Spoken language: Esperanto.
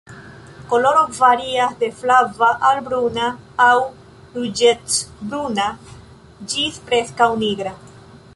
Koloro varias de flava al bruna aŭ ruĝecbruna ĝis preskaŭ nigra.